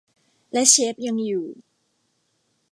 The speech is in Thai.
และเชฟยังอยู่